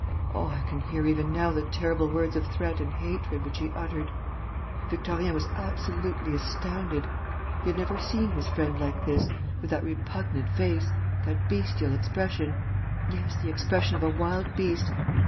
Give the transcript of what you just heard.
Oh, I can hear even now the terrible words of threat and hatred which he uttered! Victorien was absolutely astounded. He had never seen his friend like this, with that repugnant face, that bestial expression: yes, the expression of a wild beast....